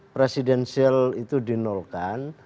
presidential itu dinolkan